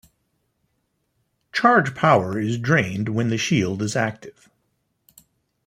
Charge power is drained when the shield is active.